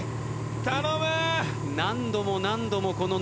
頼む！